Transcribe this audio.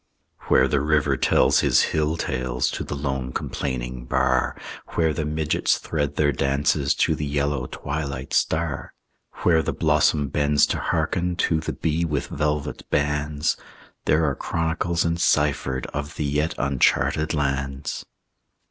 Where the river tells his hill tales To the lone complaining bar, Where the midgets thread their dances To the yellow twilight star, Where the blossom bends to hearken To the bee with velvet bands, There are chronicles enciphered Of the yet uncharted lands.